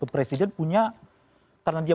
presiden punya karena dia